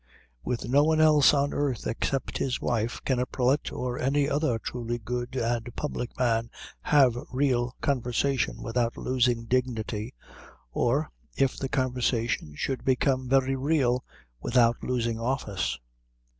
With no one else on earth except his wife can a prelate or any other truly good and public man have real conversation without losing dignity, or, if the conversation should become very real, without losing office.